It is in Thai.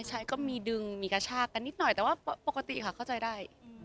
ใช้ก็มีดึงมีกระชากกันนิดหน่อยแต่ว่าปกติค่ะเข้าใจได้